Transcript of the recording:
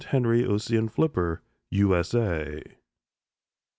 HENRY OSSIAN FLIPPER, U. S. A.